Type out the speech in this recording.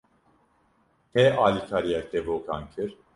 Kê alîkariya kevokan kir?